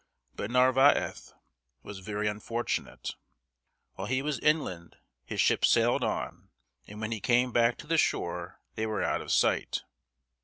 But Narvaez was very unfortunate. While he was inland his ships sailed on, and when he came back to the shore they were out of sight.